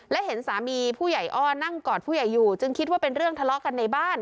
และเห็นสามีผู้ใหญ่อ้อนั่งกอดผู้ใหญ่อยู่จึงคิดว่าเป็นเรื่องทะเลาะกันในบ้าน